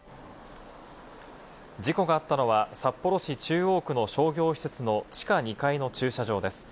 事故があったのは札幌市中央区の商業施設の地下２階の駐車場です。